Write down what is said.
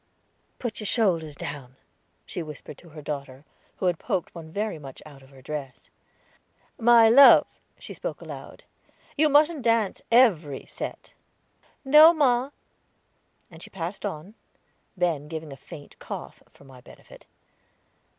"Put your shoulders down," she whispered to her daughter, who had poked one very much out of her dress. "My love," she spoke aloud, "you mustn't dance every set." "No, ma," and she passed on, Ben giving a faint cough, for my benefit.